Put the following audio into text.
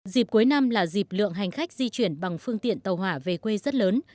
dịp cuối năm là dịp lượng hành khách di chuyển bằng phương tiện tàu hỏa về quê rất lớn